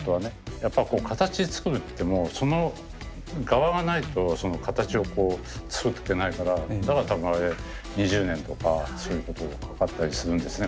やっぱこう形づくるってもうその側がないとその形をこう作ってないからだから多分あれ２０年とかかかったりするんですね